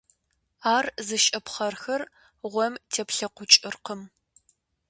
Ар зыщӀэ пхъэрхэр гъуэм теплъэкъукӀыркъым.